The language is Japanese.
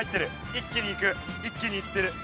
一気にいく一気にいってる。